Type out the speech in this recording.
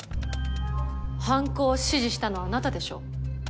犯行を指示したのはあなたでしょ？